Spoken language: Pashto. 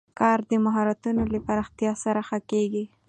کار د مهارتونو له پراختیا سره ښه کېږي